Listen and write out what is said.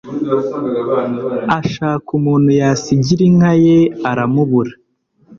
ashaka umuntu yasigira inka ye aramubura